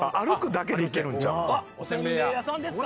お煎餅屋さんですか。